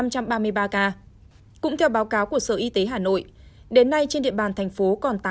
cũng theo báo cáo của sở y tế hà nội đến nay trên địa bàn thành phố còn tám mươi năm ca